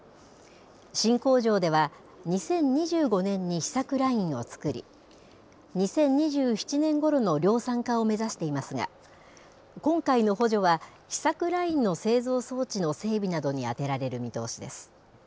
新工場では、２０２５年に試作ラインをつくり、２０２７年ごろの量産化を目指していますが、今回の補助は、試作ラインの製造装置の整備などに充てられる見通しです。